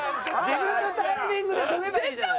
自分のタイミングで跳べばいいじゃない。